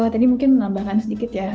tadi mungkin menambahkan sedikit ya